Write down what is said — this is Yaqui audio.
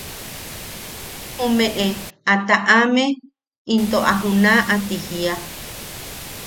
jumeʼe a taʼame into a junaʼa ti jiia.